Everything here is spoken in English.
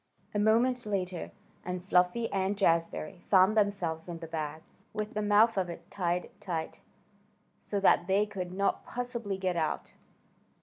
A moment later and Fluffy and Jazbury found themselves in the bag, with the mouth of it tied tight, so that they could not possibly get out.